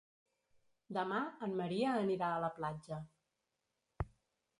Demà en Maria anirà a la platja.